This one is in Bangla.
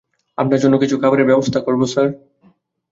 আপনার জন্য কিছু খাবারের ব্যবস্থা করবো, স্যার?